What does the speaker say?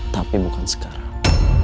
tapi bukan sekarang